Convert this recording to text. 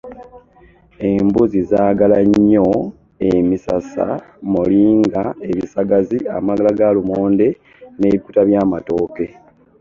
Embuzi zaagala nnyo emisasa, molinga, ebisagazi, amalagala ga lumonde n’ebikuta by’amatooke.